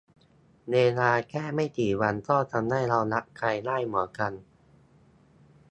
เวลาแค่ไม่กี่วัน ก็ทำให้เรารักใคร ได้เหมือนกัน